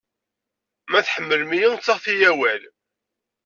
Ma tḥemmlem-iyi, ttaɣet-iyi awal.